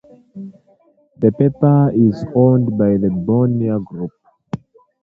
The paper is owned by the Bonnier Group.